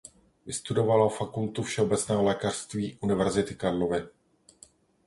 Vystudovala Fakultu všeobecného lékařství Univerzity Karlovy.